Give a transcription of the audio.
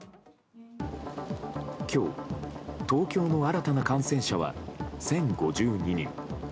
今日、東京の新たな感染者は１０５２人。